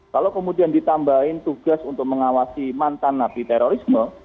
kalau kemudian ditambahin tugas untuk mengawasi mantan napi terorisme